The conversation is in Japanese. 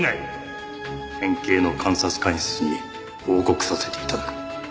県警の監察官室に報告させて頂く。